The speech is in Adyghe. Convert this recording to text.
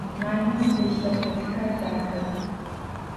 Налмэс илъэпэдхэр дахэх.